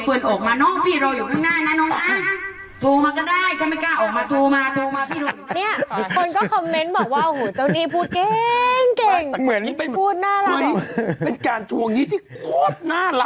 ถึงบอกไงว่าไม่ได้กระโชว์โครงฮา